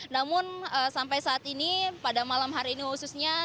namun sampai saat ini pada malam hari ini khususnya